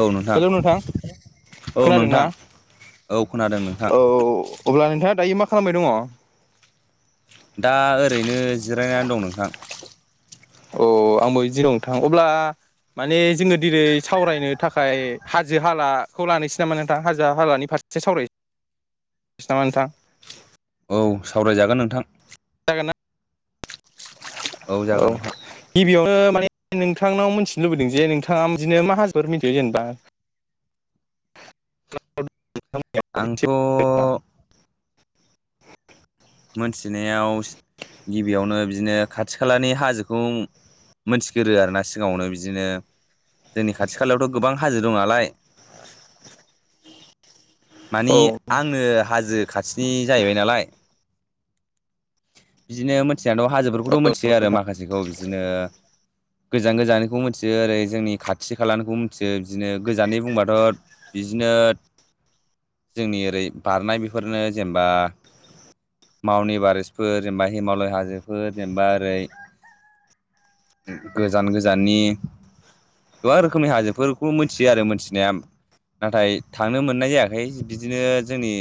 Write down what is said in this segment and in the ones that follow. औ नोंथां औ खोनादोंना नोंथां औ खोनादों नोंथां औ औ अब्ला नों [unintelligible] दायो मा खालामबाय दङ? दा ओरैनो जिरायनानै दं नोंथां अ आंबो जिरावनो थां अब्ला माने जोङो दिनै सावरायनो थाखाय हाजो हालाखौ लानोसै नामा नोंथां हाजो हालानि फारसे एसे सावराय [unintelligible] नामा नोंथां औ सावरायजागोन नोंथां जागोना? औ जागोन नोंथां गिबियावनो माने नोंथांनाव मिथिनो लुबैदों जे नोंथाङा बिदिनो मा हाजोफोर मिथियो जेनेबा? आंथ' [unintelligible] मोनथिनायाव गिबियावनो बिदिनो खाथि खालानि हाजोखौ मोनथिगोरो आरो ना सिगाङावनो बिदिनो जोंनि खाथि खालायावथ' गोबां हाजो दं नालाय [inaudible] मानि औ आंनो हाजो खाथिनि जाहैबाय नालाय बिदिनो मिथिनायनानैाथ' हाजोफोरखौथ' मोनथियो आरो माखासेखौ बिदिनो गोजान गोजाननिखौ मिथियो ओरै जोंनि खाथि खालानिखौ मिथियो बिदिनो गोजाननि बुंबाथ' बिदिनो [inaudible] जोंनि ओरै बारनाय बेफोरनो जेनेबा मावनि बारिसफोर जेनेबा हिमालय हाजोफोर जेनेबा ओरै गोजान गोजाननि गोबां रोखोमनि हाजोफोरखौ मोनथियो आरो मोनथिनाया नाथाय थांनो मोननाय जायाखै ओमफ्राय बिदिनो जोंनि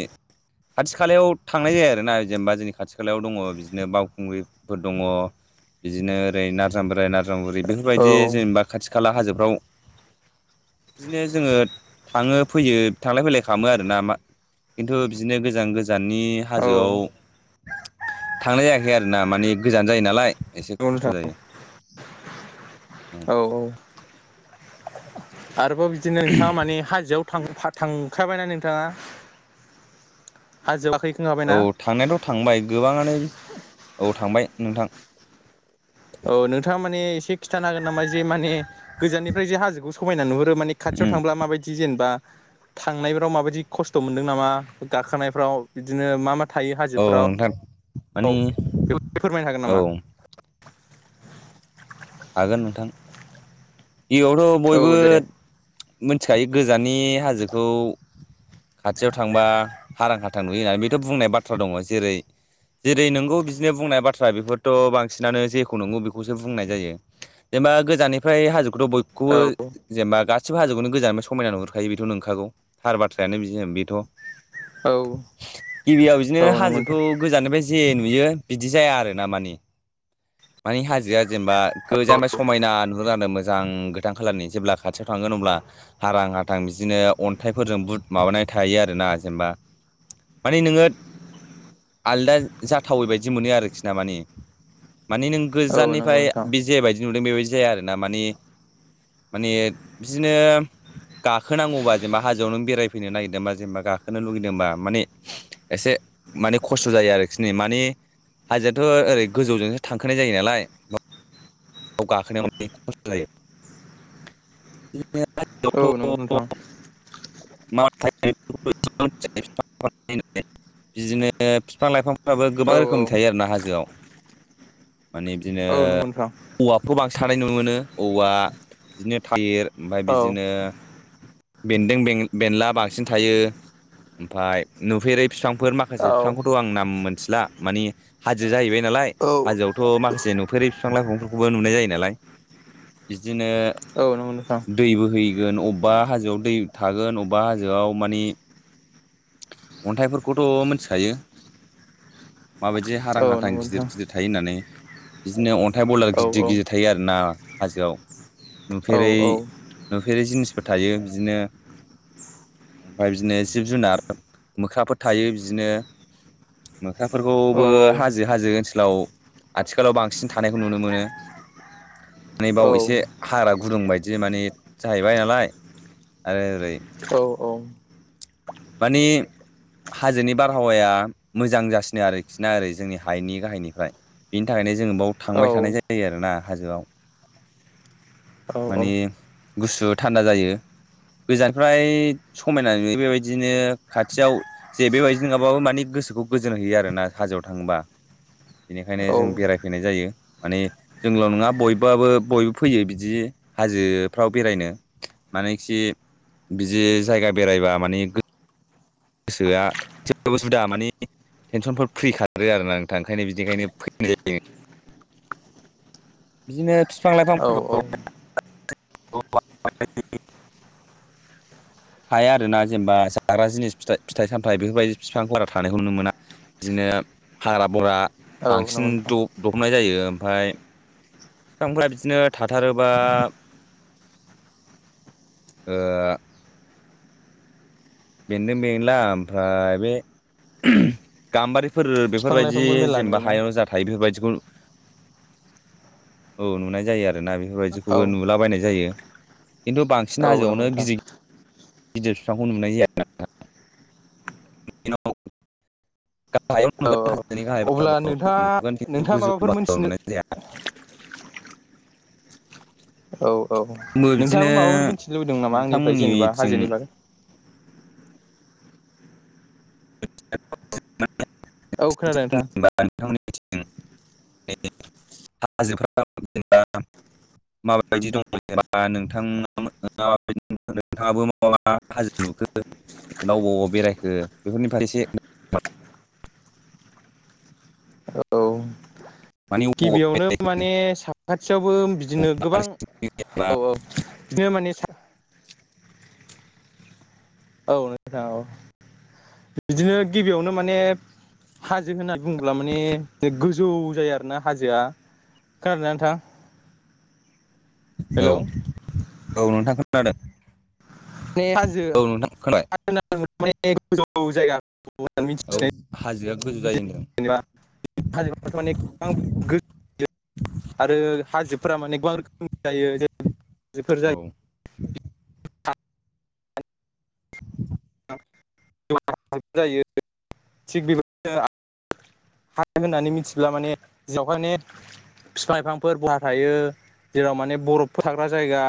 खाथि खालायाव थांनाय जायो आरोना जेनेबा जोंनि खाथि खालायाव दङ बिदिनो बावखुंग्रिफोर दङ। बिदिनो ओरै नारजां बोराइ नारजां बुरि औ बेफोरबायदि औ जेनेबा खाथि खाला हाजोब फाव बिदिनो जोङो थाङो फैयो थांलाय फैलाय खालामो आरोना मा खिन्थु बिदिनो गोजान गोजाननि हाजोआव थांनाय जायाखै आरोना माने गोजान जायो नालाय एसे नंगौ नोंथां खस्थ' जायो। औ औ आरोबाव बिदिनो नोंथाङा माने हाजोआव थांखाबायना नोंथाङा हाजोबाखै औ थांनायाथ' थांबाय गोबाङानो औ थांबाय नोंथां। औ नोंथाङा माने एसे खिन्थानो हागोन नामा जे माने गोजाननिफ्राय जे हाजोखौ समायना नुहरो आरो माने खाथियाव उम थांब्ला माबायदि जेनेबा थांनायफ्राव माबायदि खस्थ' मोनदों नामा गाखोनायफ्राव बिदिनो मा मा थायो औ हाजोफ्राव नोंथां मानि औ बेखौ फोरमायनो हागोन औ हागोन नोंथां इयावथ' नामा बयबो औ दे मिथिखायो गोजानानि हाजोखौ खाथियाव थांबा हारां हाथां नुयो होननानै बेथ' बुंनाय बाथ्रा दङ जेरै जेरै नोंगौ बिदिनो बुंनाय बाथ्रा बेफोरथ' बांसिनानो जेखौ नंगौ बेखौसो बुंनाय जायो। जेनेबा गोजाननिफ्राय हाजोखौथ' बयखौबो औ जेनेबा गास एसेबो हाजोखौनो गोजानफ्राय समायना नुहरखायो बेथ' नंखागौ थार बाथ्रायानो बि बेथ' औ गिबियाव बिदिनो औ नंगौ नोंथां हाजोखौ गोजानो बायदि जे नुयो बिदि जाया आरोना माने मानि हाजोआ जेनेबा गोजाननिफ्राय समायना नुहुरो आरो मोजां गोथां खालारनि जेब्ला खाथियाव थांगोन अब्ला हारां हाथां बिदिनो अन्थाइफोरजों बु माबानाय थायो आरोोना जेनेबा म नो आलदा जाथावैबायायदि मोनो आरोखि ना माने मानि नों औ नंगौ गोजाननिफ्राय नोंथां बे जेबायदि नुदों बेबायदि जाया आर ना मानि माने बिदिनो गाखोनांगौबा जेनेबा हाजोआव नों बेरायफैनो नागिरदोंबा जेनेबा गाखोनो लुगैदोंबा माने एसे माने खस्थ' जायो आरोखि न मानि हाजोआथ' ओरै गोजौजोंसो थांखाय जायो नालाय। गाखोनायाव अने खस्थ' जायो। औ नंगौ नोंथां बिदिनो बिफां लाइफां फोराबो औ गोबां रोखोमनि औ थायो आरो ना हाजोआव माने बिदिनो औ नंगौ नोंथां औवाखौ बांसिनानाय नुनो मोनो औवा बिदिनो थागिर ओमफ्राय औ बिदिनो बेन्दों बे बेनला बांसिन थायो ओमफफ्राय नुफेरै बिफांफोर माखासे औ बिफांखौथ' आं नाम मोनथिला मानिे हाजोा जाहैबाय नालाय औ हाजोआवथ' माखासे नुफेरै फिफां-लाइफां [unintelligible] नुनाय जायो नालाय बिदिनो औ नंगौ नोंथां दै बोहै गोन अबबा हाजोआव दै थागोन अबबा हाजोआव मानि। अन्थाइफोरखौथ' मोन्थिखायो। माबायदि हारां औ हाथां नंगौ नोंथां गिदिर गिदिर थायो होननानै बिदिनो अन्थाइ औ गिदि औ गिदि थायो आरो ना हाजोआव। औ नुफेरै नुफेरै जिनिसफोर थायो बिदिनो। [unintelligible] जिब-जुनार मोख्राफोर थायो बिदिनो। मोख्राफोरखौबो औ हाजो हाजो ओनसोलाव आथिखालाव बांसिन थानायखौ नुनो मोनो। [inaudible] नै औ बाव एसे हारा गुदुं बायदि माने जाहैबाय नालाय। आरो ओरै। बानि। हाजोनि बारहावाया मोजां जासिनो आरोखि ना ओरै जोंनि हायनि गाहायनिफ्राय। बिनि थाखायनो जोङो बाव थांबाय थानाय जायो आरोना हाजोआव। [inaudible] औ औ माने गुसु थान्दा जायो। गोजाननिफ्राय समायना नुयो बेबाय [unintelligible] बेनिखायनो औ जों बेरायफैनाय जायो माने जोंल' नङा बयबाबो बयबो फैयो बिदि। हाजोफ्राव बेरायनो मानेखि बिदि जायगा बेरायबा माने गोसोया। सोरबा उ सुबिदा मानि टेनसनफोर फ्रि खारो आरोना नोंथां ओंखायनो बिनिखायनो फैनाय जायो। [inaudible] औ औ। [inaudible] [inaudible] थाया आरोना जेनेबा जाग्रा जिनिस [unintelligible] फिथाइ-सामथाय बेफोरबायदि [inaudible] थानायखौ नुनो मोना। [inaudible] हाग्रा बरा औ नंगौ बांसिन नोंथां द दहबनाय जायो ओमफाय। [inaudible] बिदिनो थाथारोबा। ओ आ। बेन्दों-बेंला ओमफ्राय बे [unintelligible] गाम्बारि। फोर बिफां बेफोरबायदि लाइफांखौ मेरला जेनेबा नुयोना हायायाव' जाथायो बेफोरबायदिखौ। औ नुनाय जायो आरोना औ बेफोरबायदिखौबो नुलाबायनाय जायो। [inaudible] बांसिन औ नंगौ हाजोआवनो नोंथां गिदि गिदिर बिफांखौ नुनाय [inaudible] औ [inaudible] अब्ला नोंथाङा नोंथाङा माबाफोर मोनथिनो [inaudible] औ औ आंबो बिदिनो नोंथाङाबो माबाफोर मिथिनो लुबैदों नामा आंनिफ्राय जेनेबा नोंथांमोननिथिं हाजोनि बागै। औ खोनादों नोंथां। [inaudible] माब बायदि दं [inaudible] नोंथाङाबो माबा हाजो नुखो [inaudible] बेरायखो बेफोरनि [inaudible] औ माने अबाव अबाव गिबियावनो बेरायखौ माने साखाथियावबो बिदिनो गोबां। बांसिन जेनेबा औ औ बेयो माने औ नोंथां औ। बिदिनो गिबियावनो माने। हाजो होननानै बुङोब्ला माने [inaudible] गोजौ जायो आर ना हाजोआ। खोनादोंना नोंथां। औ हेलौ औ नोंथां खोनादों। बे हाजो औ नोंथां खोनाबाय [unintelligible] माने गोजौ जायगा होननानै औ मिथियो हाजो जेनेबा हाजोआथ माने गोबां गोजौ गिदिर आरो हाजोफोरा माने गोबां। रोखोमनि जायो औ [unintelligible] [unintelligible] थिग बेबायदिनो हा होननानै मिथिब्ला माने [unintelligible] बिफां लाइफांफोर बहा थायो जेराव माने बरफफोर थाग्रा जायगा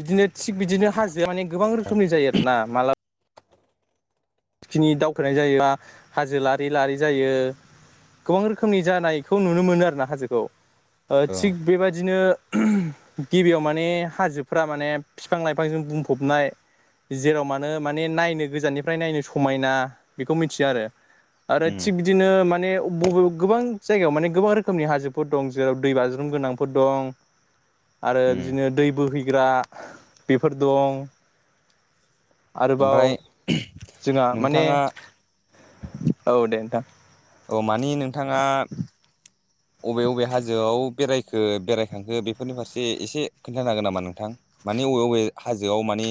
बिदिनो थिग बिदिनो हाजोआ माने गोबां रोखोमनि जायो आरो ना मालाबा जिखिनि दावखोनाय जायोबा हाजो लारि लारि जायो। गोबां रोखोमनि जानायखौ नुनो मोनो आरोना हाजोखौ औ थिग बेबादिनो गिबियाव माने हाजोफ्रा माने फिफां लाइफांजों बुंफबनाय। जेराव मानो माने नायनो गोजाननिफ्राय नायनो स मायना बेखौ मिथियो आरो आरो उम थिग बिदिनो माने बबे गोबां जायगायाव माने गोबां रोखोमनि हाजोफोर दं जेराव दैबाज्रुम गोनांफोर दं। आरो उम बिदिनो दै बोहैग्रा बेफोर दं। आरोबाव ओमफ्राय जोंहा माने नोंथाङा औ दे नोंथां। औ मानि नोंथाङा [inaudible] बबे बबे हाजोआव बेरायखो बेरायखांखो बेफोरनि फारसे एसे खोन्थानो हागोन नामा नोंथां मानि बबे बबे हाजोआव माने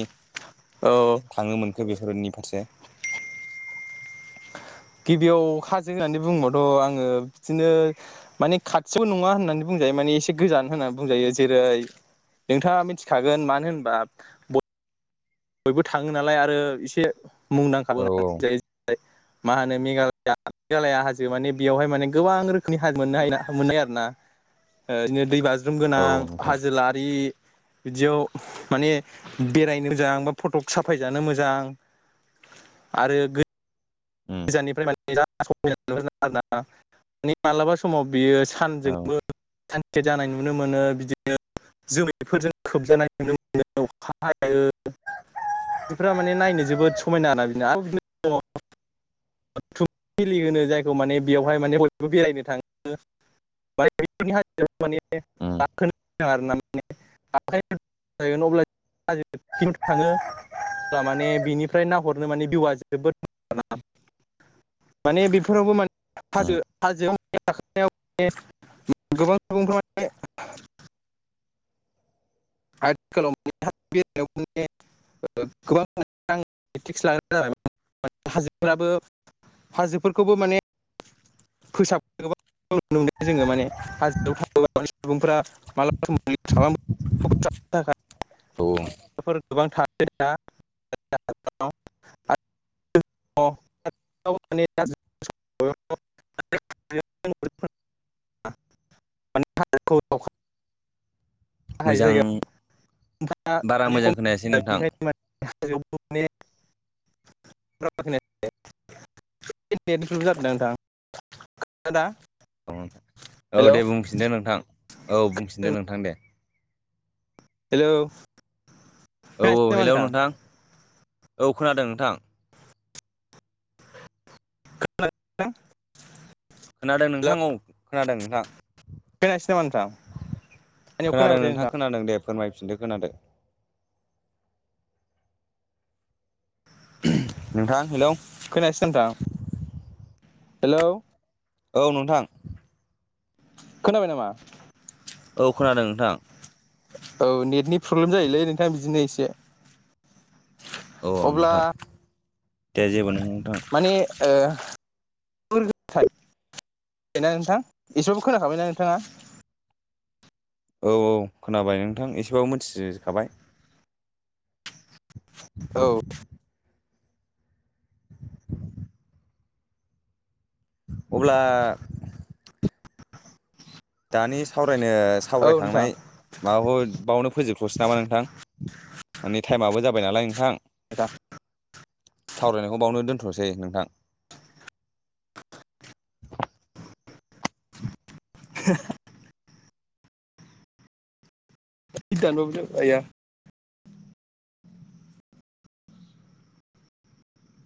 औ औ। थांनो मोनखो बेफोरनि फारसे। गिबियाव हाजो होननानै बुङोबथ' आङो बिदिनो माने खाथिबो नङा होननानै बुङो। बुंजो माने एसे गोजान होननानै बुंजायो जेरै- नोंथाङा मिथिखागोन मानो होनबा ब बयबो थाङो नालाय आरो एसे मुंदांखााबो औ होननाय जायो। मा होनो मेघालयया मेघालया हाजो माने बेयावहाय माने गोबां रोखोमनि हाजो मोननो हायो मोननाय आरो ना। ओ बिदिनो दै बाज ज्रुम गोनां औ नोंथां हाजो लारि बिदियाव माने बेरायनो मोजां बा फटक साफायजानो मोजां आरो। उम गोजाननिफ्राय माने बेराद सापाय जानो मोजां आरोना माने मालाबा समाव बियो। औ सानजोंबो सानसे जानाय नुनो मोनो बिदिनो। जोमैफोरजों खोबजानाय नुनो मोनो अखा हायो। बिफोरा माने थुबथिलि होनो जायखौ माने बेयावहाय माने बयबो बेरायनो थाङो। उम [unintelligible] [unintelligible] अब्ला माने बिनिफ्राय नाहरनो माने बिउआ जोबोद मोजां आरोना। माने बेफोरावबो मान उम हाजो हाजोआव गाखोनायाव माने गोबां सुबुंफ्रा माने [unintelligible] ओ गोबां नोंथां फ्रेकथिस लाग्रा जाबाय। हाजोफोराबो हाजोफोरखौबो माने फोसाब गोबां नुनो मोनो जोङो माने हाजोआव थानाय सुबुंफ्रा मालाबा सम खालाम औ [unintelligible] [unintelligible] [unintelligible] [inaudible] म [unintelligible] मोजां। बारा मोजां खोनायासै नोंथां [unintelligible] [unintelligible] [unintelligible] औ औ हेलौ दे बुंफिनदो नोंथां औ बुंफिनदो नोंथां दे। हेलौ खोनायासै नामा नोंथां [inaudible] [unintelligible] खोनादों नोंथां औ। खोनादों नोंथां खोनायासै नामा नोंथां आंनिखौ खोनादों खोनाबाय थायो नोंथां खोनादों। फिनदो खोनादो। नोंथां हेलौ। खोनायासै नोंथां। हेलौ औ नोंथां। खोनाबाय नामा? औ खोनादों नोंथां। औ नेटनि प्रब्लेम जायोलै नोंथां बिदिनो इसे। औ नोंथां दे जेबो नोङा नोंथां। ए [unintelligible] नोंथां इसेबो खोनाखाबायनाा नोंथाङा औ औ खोनाबाय नोंथां एसेबाबो मिथिखाबाय। औ। [inaudible] अब्ला - दानि सावरायनो औ नोंथां सावरायखांनाय माबाखौ बावनो फोजोबथ'सै नामा नोंथां माने टाइमाबो जाबाय नालाय नोंथां। आदा [unintelligible] सावरायनायखौ बावनो दोनथ'नोसै नोंथां। [unintelligible] होय दानबाबो जाया आया [unintelligible]